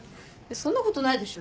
そんなことないでしょ。